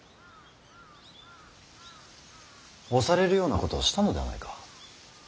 押されるようなことをしたのではないか。